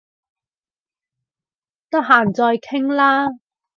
得閒再傾啦